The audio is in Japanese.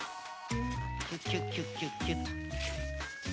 キュッキュッキュッキュッキュッと。